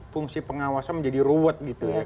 fungsi pengawasan menjadi ruwet gitu ya